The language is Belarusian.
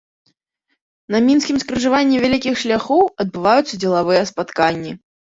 На мінскім скрыжаванні вялікіх шляхоў адбываюцца дзелавыя спатканні.